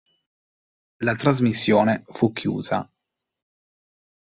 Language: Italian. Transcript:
La trasmissione fu chiusa.